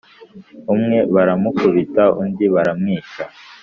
umwe baramukubita undi baramwica